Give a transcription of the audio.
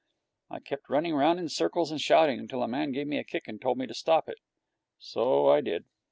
I kept running round in circles and shouting, till the man gave me a kick and told me to stop it. So I did.